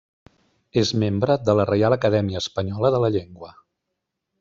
És membre de la Reial Acadèmia Espanyola de la Llengua.